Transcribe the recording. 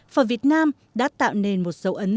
phở việt nam đã tạo nên một dấu ấn